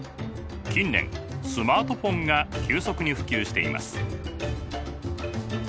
近年スマートフォンが急速に普及しています。